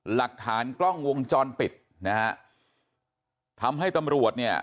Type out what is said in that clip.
หลักฐานกล้องวงจรปิดนะฮะทำให้ตำรวจเนี่ย